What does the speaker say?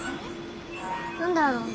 何だろうね。